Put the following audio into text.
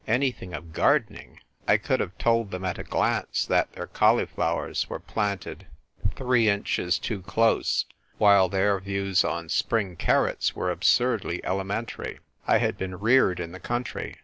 Anything of garden ing ! I could have told them at a glance that their cauliflowers were planted three inches A MUTINOUS MUTINEER. 7 1 too close, while their views on spring carrots were absur Jly elementary. I had been reared in the country.